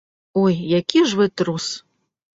Ой, які ж вы трус!